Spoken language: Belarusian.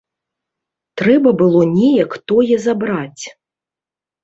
Трэба было неяк тое забраць.